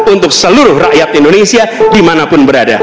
untuk seluruh rakyat indonesia dimanapun berada